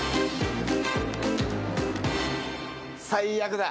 最悪だ。